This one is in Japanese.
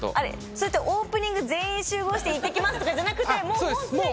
それってオープニング全員集合して「いってきます」とかじゃなくてもうすでに？